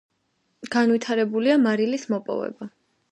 განვითარებულია მარილის მოპოვება.